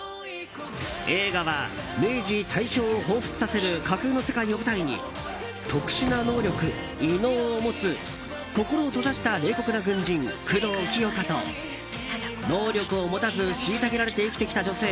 映画は明治・大正をほうふつさせる架空の世界を舞台に特殊な能力、異能を持つ心を閉ざした冷酷な軍人久堂清霞と能力を持たず虐げられて生きてきた女性